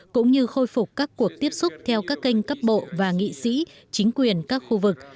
cũng như khôi phục các cuộc tiếp xúc theo các kênh cấp bộ và nghị sĩ chính quyền các khu vực